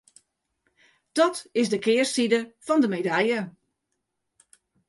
Dat is de kearside fan de medalje.